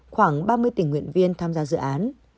khoảng ba mươi tình nguyện viên tham gia dự án